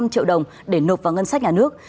một mươi năm triệu đồng để nộp vào ngân sách nhà nước